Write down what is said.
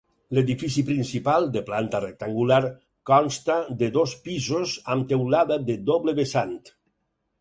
L'edifici principal, de planta rectangular, consta de dos pisos amb teulada de doble vessant.